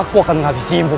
aku akan menghabisi imbu